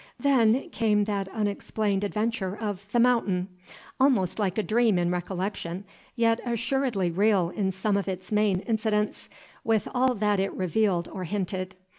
Then came that unexplained adventure of The Mountain, almost like a dream in recollection, yet assuredly real in some of its main incidents, with all that it revealed or hinted.